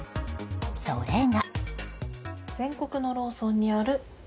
それが。